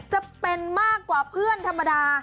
จะเป็นมากกว่าเพื่อนธรรมดา